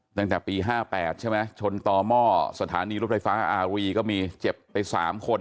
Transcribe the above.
ตั้งแต่ปี๕๘ใช่ไหมชนต่อหม้อสถานีรถไฟฟ้าอารีก็มีเจ็บไป๓คน